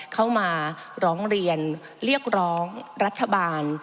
เข้ามาร้องเรียนเรียกร้องรัฐบาล